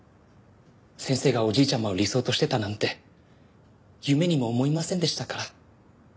先生がおじいちゃまを理想としてたなんて夢にも思いませんでしたから。